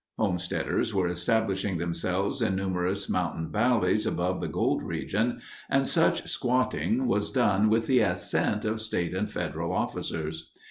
Homesteaders were establishing themselves in numerous mountain valleys above the gold region, and such "squatting" was done with the assent of state and federal officers.